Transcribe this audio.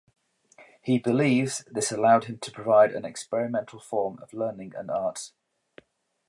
He believes this allowed him to provide an experiential form of learning and arts.